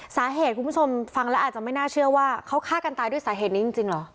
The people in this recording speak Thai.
คุณผู้ชมฟังแล้วอาจจะไม่น่าเชื่อว่าเขาฆ่ากันตายด้วยสาเหตุนี้จริงเหรอ